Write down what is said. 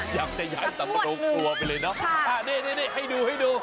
อยากจะย้ายตัวมาโลกตัวไปเลยนะนี่ให้ดู